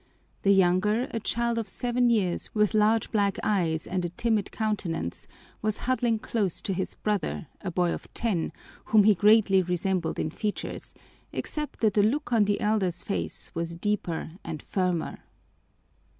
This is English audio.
The younger, a child of seven years with large black eyes and a timid countenance, was huddling close to his brother, a boy of ten, whom he greatly resembled in features, except that the look on the elder's face was deeper and firmer.